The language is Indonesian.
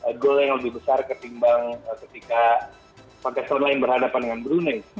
dan juga gol yang lebih besar ketimbang ketika pakistan lain berhadapan dengan brunei